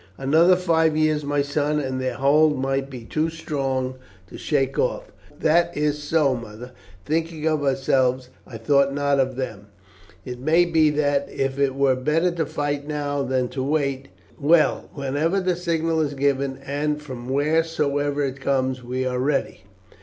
Another five years, my son, and their hold might be too strong to shake off." "That is so, mother. Thinking of ourselves I thought not of them; it may be that it were better to fight now than to wait. Well, whenever the signal is given, and from wheresoever it comes, we are ready."